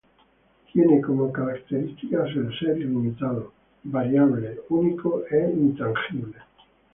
Tiene como características el ser ilimitado, variable, único e intangible.